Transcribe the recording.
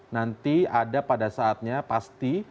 nanti ada pada saatnya pasti